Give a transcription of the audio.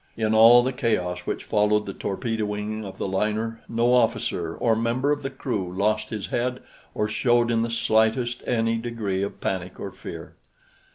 In all the chaos which followed the torpedoing of the liner no officer or member of the crew lost his head or showed in the slightest any degree of panic or fear.